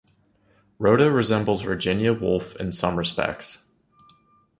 Rhoda resembles Virginia Woolf in some respects.